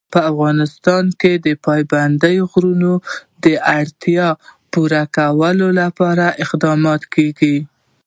په افغانستان کې د پابندی غرونه د اړتیاوو پوره کولو لپاره اقدامات کېږي.